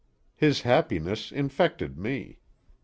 His happiness infected me.